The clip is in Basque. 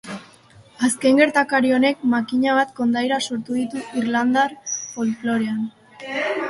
Azken gertakari honek makina bat kondaira sortu ditu irlandar folklorean.